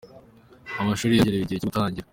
Amashuri yongererewe igihe cyogutangira